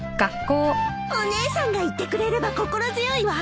お姉さんが行ってくれれば心強いわ。